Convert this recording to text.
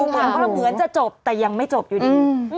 มันก็เหมือนจะจบแต่ยังไม่จบอยู่ดี